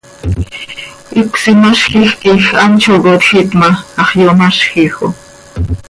Hicös imazjij quij hant zo cohtjiit ma, hax yomazjij oo.